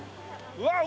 うわっ！